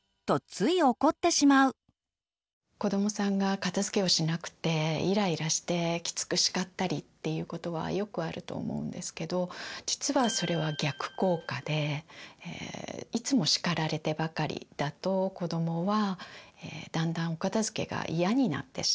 子どもさんが片づけをしなくてイライラしてきつく叱ったりっていうことはよくあると思うんですけど実はそれは逆効果でいつも叱られてばかりだと子どもはだんだんお片づけが嫌になってしまう。